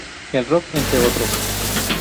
El Rock, entre otros.